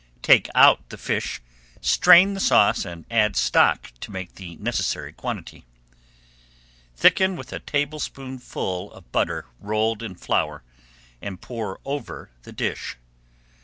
Take out the fish, strain the sauce, and add stock to make the necessary quantity. Thicken with a tablespoonful of butter rolled in flour, and pour over the fish.